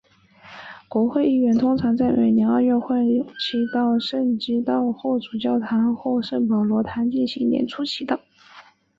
国会议员通常在每年二月份会期到圣基道霍主教座堂或圣保罗堂进行年初祈祷。